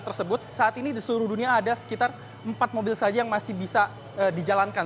tersebut saat ini di seluruh dunia ada sekitar empat mobil saja yang masih bisa dijalankan